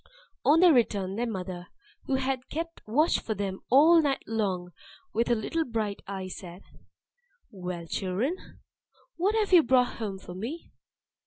On their return, their mother, who had kept watch for them all night long with her little bright eye, said, "Well, children, what have you brought home for me?"